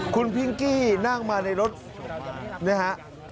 คุณพิงกี้นั่งมาในรถนะฮะ